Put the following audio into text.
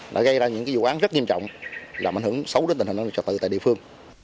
đã gây ra những vụ án rất nghiêm trọng làm ảnh hưởng xấu đến tình hình trò tự tại địa phương